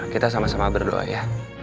kita sama sama berdoa ya